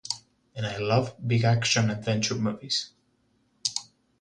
And I love big action-adventure movies.